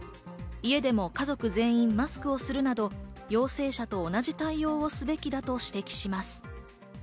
家でも家族全員マスクをするなど陽性者と同じ対応をすべきだと指摘します。